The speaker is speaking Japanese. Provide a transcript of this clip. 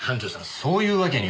そういうわけには。